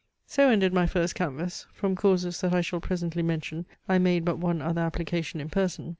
So ended my first canvass: from causes that I shall presently mention, I made but one other application in person.